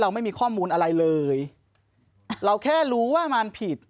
ไม่มีข้อมูลอะไรเลยเราแค่รู้ว่ามันผิด